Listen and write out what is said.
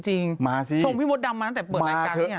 ช่องพี่มสดำมาตั้งแต่เปิดรายการโทรมา